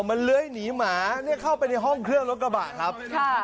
มันเลื้อยหนีหมาเนี่ยเข้าไปในห้องเครื่องรถกระบะครับ